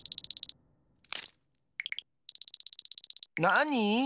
なに？